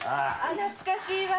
懐かしいわ。